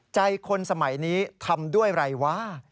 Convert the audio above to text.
ใจคนสมัยนี้ทำด้วยอะไรวะ